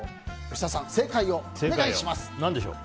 吉沢さん、正解をお願いします。